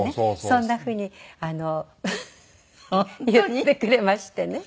そんなふうに言ってくれましてね。